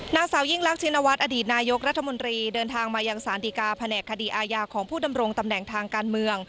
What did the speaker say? นางสาวยิ่งรักชินวัฒน์อดีตนายกรัฐมนตรีเดินทางมายังสารดีกาแผนกคดีอาญาของผู้ดำรงตำแหน่งทางการเมือง